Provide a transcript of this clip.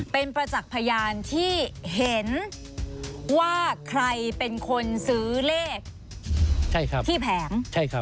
เป็นประจักษ์พยานที่เห็นว่าใครเป็นคนซื้อเลขที่แผง